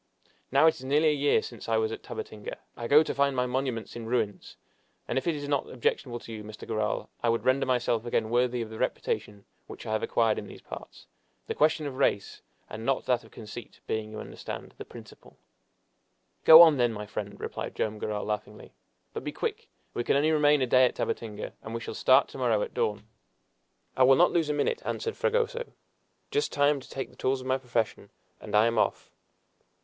Now it is nearly a year since I was at Tabatinga; I go to find my monuments in ruin! And if it is not objectionable to you, Mr. Garral, I would render myself again worthy of the reputation which I have acquired in these parts, the question of reis, and not that of conceit, being, you understand, the principal." "Go on, then, friend," replied Joam Garral laughingly; "but be quick! we can only remain a day at Tabatinga, and we shall start to morrow at dawn." "I will not lose a minute," answered Fragoso "just time to take the tools of my profession, and I am off."